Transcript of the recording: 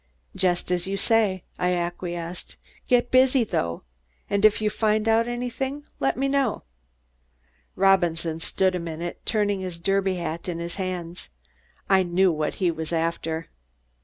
"Just as you say," I acquiesced. "Get busy, though, and if you find out anything, let me know!" Robinson stood a minute, turning his derby hat in his hands. I knew what he was after.